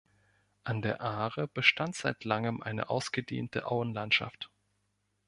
An der Aare bestand seit langem eine ausgedehnte Auenlandschaft.